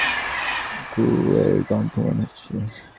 গু এর গন্ধ মনে হচ্ছে।